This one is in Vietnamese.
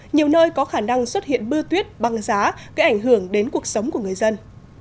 nhiều nơi có khả năng xuất hiện mưa tuyết băng giá gây ảnh hưởng đến cuộc sống của người dân